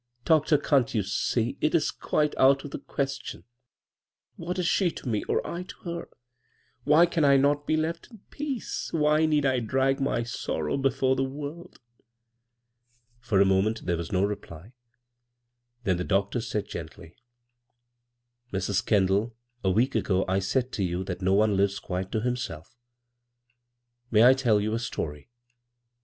Doctor, can't you see ? It is quite out of he question 1 What is she to me or I o her? Why can I not be left in peace? Yhy need I drag my sorrow before the Torld?" For a moment there was no reply, then the ioctor said gently :" Mrs. Kendall, a week ago I said to you hat no one lives quite to himself. May I tell 'ou a story